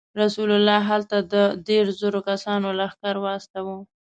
رسول الله هلته د درې زرو کسانو لښکر واستاوه.